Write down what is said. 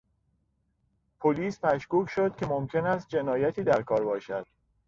پلیس مشکوک شد که ممکن است جنایتی در کار باشد.